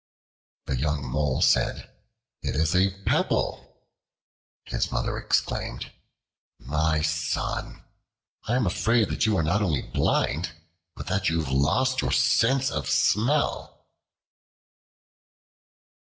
The young Mole said, "It is a pebble." His Mother exclaimed: "My son, I am afraid that you are not only blind, but that you have lost your sense of smell."